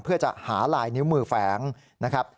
เพื่อจะหาลายนิ้วมือแฝงนะครับ